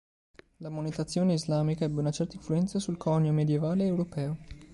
La monetazione islamica ebbe una certa influenza sul conio medievale europeo.